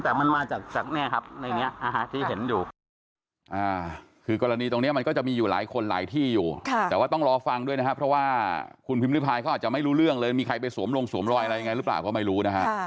แต่มันมาจากนี้ครับที่เห็นดู